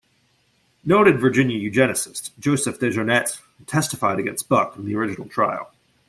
Noted Virginia eugenicist Joseph DeJarnette testified against Buck in the original trial.